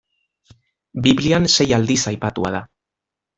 Biblian sei aldiz aipatua da.